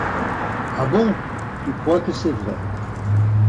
Ah bon? Tu crois que c'est vrai ?